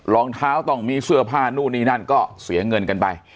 รองเท้าต้องมีเสื้อผ้านู่นนี่นั่นก็เสียเงินกันไป